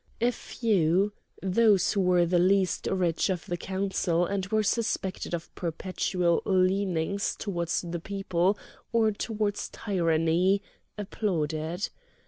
A few—those who were the least rich of the Council and were suspected of perpetual leanings towards the people or towards tyranny—applauded.